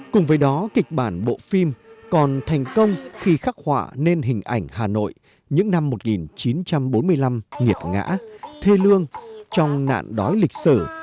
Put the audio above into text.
cùng với đó kịch bản bộ phim còn thành công khi khắc họa nên hình ảnh hà nội những năm một nghìn chín trăm bốn mươi năm nghiệt ngã thê lương trong nạn đói lịch sử